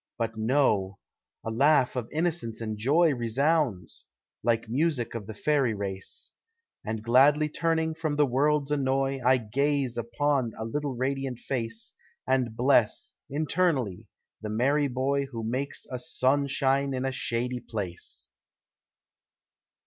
But no a laugh of innocence and joy Resounds, like music of the fairy race, And gladly turning from the world's annoy I gaze upon a little radiant face, And bless, internally, the merry boy Who "makes a son shine in a shady place."